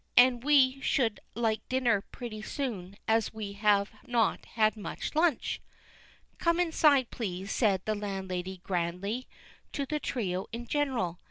And we should like dinner pretty soon, as we have not had much lunch." "Come inside, please," said the landlady, grandly, to the trio in general.